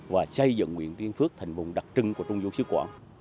và xây dựng nguyễn tiên phước thành vùng đặc trưng của trung du sứ quảng